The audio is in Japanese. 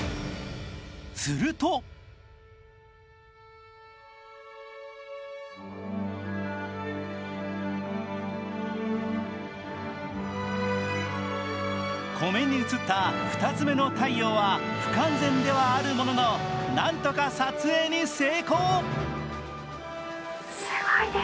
すると湖面に写った２つ目の太陽は不完全ではあるもののなんとか撮影に成功。